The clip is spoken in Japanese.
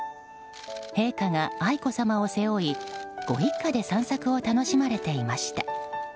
陛下が愛子さまを背負いご一家で散策を楽しまれていました。